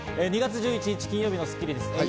２月１１日、金曜日の『スッキリ』です。